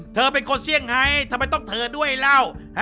เธอเป็นคนเซี่ยงไฮทำไมต้องเธอด้วยเล่า